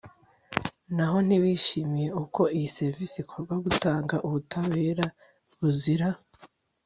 naho ntibishimiye uko iyi serivisi ikorwa gutanga ubutabera buzira